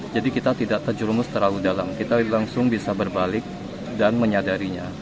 jadi kita tidak terjurumus terlalu dalam kita langsung bisa berbalik dan menyadarinya